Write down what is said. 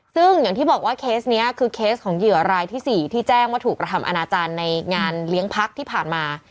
ซึ่งอย่างที่บอกว่าเคสนี้คือเคสของเหยื่อรายที่๔ที่แจ้งว่าถูกกระทำอนาจารย์ในงานเลี้ยงพักที่ผ่านมา